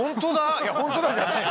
いや「ホントだ」じゃない。